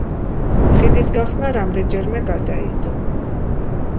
ხიდის გახსნა რამდენჯერმე გადაიდო.